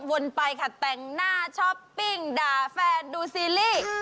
ไปค่ะแต่งหน้าช้อปปิ้งด่าแฟนดูซีรีส์